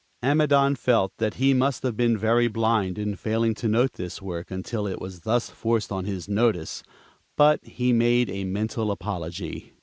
Amidon felt that he must have been very blind in failing to note this work until it was thus forced on his notice; but he made a mental apology.